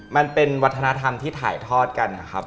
มันเป็นวัฒนธรรมที่ถ่ายทอดกันนะครับ